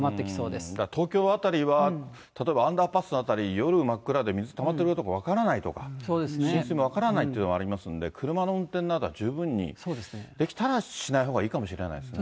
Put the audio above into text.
だから東京辺りは、例えばアンダーパス辺り、夜真っ暗で、水たまってるかどうか分からないとか、浸水も分からないというのがありますんで、車の運転などは十分にできたらしないほうがいいかもしれないです